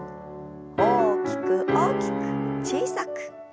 大きく大きく小さく。